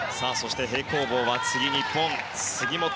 そして、平行棒は次日本、杉本。